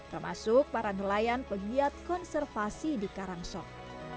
termasuk para nelayan pegiat konservasi di karang song